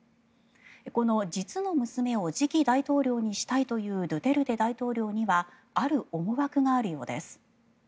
この実の娘を次期大統領にしたいというドゥテルテ大統領にはある思惑があるようです。